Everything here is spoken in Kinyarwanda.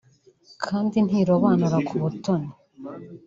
kandi ntirobanura ku butoni